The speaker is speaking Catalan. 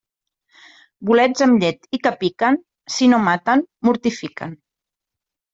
Bolets amb llet i que piquen, si no maten, mortifiquen.